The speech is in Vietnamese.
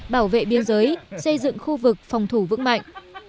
bảo vệ biên giới xây dựng khu vực phòng thủ vững mạnh